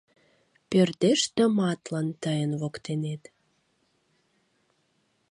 Пӧрдеш тыматлын тыйын воктенет.